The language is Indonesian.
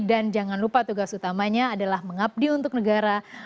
dan jangan lupa tugas utamanya adalah mengabdi untuk negara